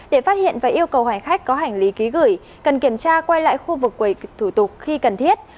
để phát hiện và yêu cầu hành khách có hành lý ký gửi cần kiểm tra quay lại khu vực quầy thủ tục khi cần thiết